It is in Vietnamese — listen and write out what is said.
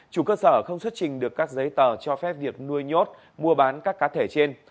chủ cơ sở không xuất trình được các giấy tờ cho phép việc nuôi nhốt mua bán các cá thể trên